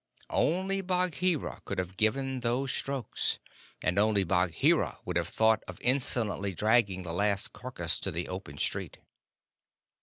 Only Bagheera could have given those strokes, and only Bagheera would have thought of insolently dragging the last carcass to the open street.